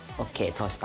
通した。